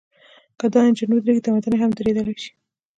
که دا انجن ودرېږي، تمدن هم درېدلی شي.